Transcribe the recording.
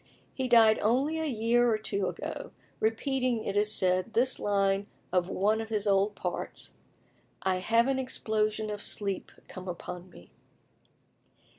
He died only a year or two ago, repeating, it is said, this line of one of his old parts: "I have an exposition of sleep come upon me."